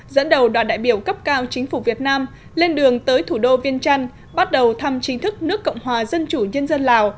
dẫn đầu đoàn đại biểu cấp cao chính phủ việt nam lên đường tới thủ đô viên trăn bắt đầu thăm chính thức nước cộng hòa dân chủ nhân dân lào